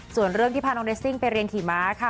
ส่วนเรื่องที่พาน้องเรสซิ่งไปเรียนขี่ม้าค่ะ